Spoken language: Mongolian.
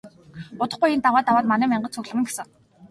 Удахгүй энэ даваа даваад манай мянгат цугларна гэсэн.